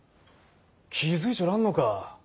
気付いちょらんのか。